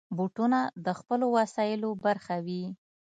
بوټونه د خپلو وسایلو برخه وي.